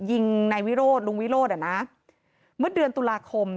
ยิงนายวิโรธลุงวิโรธอ่ะนะเมื่อเดือนตุลาคม